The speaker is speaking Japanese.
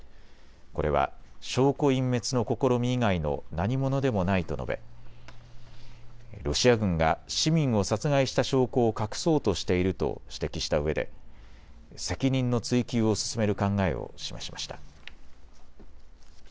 これは証拠隠滅の試み以外の何ものでもないと述べ、ロシア軍が市民を殺害した証拠を隠そうとしていると指摘したうえで責任の追及を進める考えを示しました。